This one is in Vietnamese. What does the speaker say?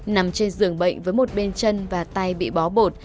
nằm trên giường bệnh với một bên chân và tay bị bó bột